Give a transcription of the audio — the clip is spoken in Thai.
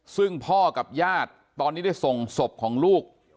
ซึ่งพ่อกับญาติตอนนี้ได้ส่งศพของลูก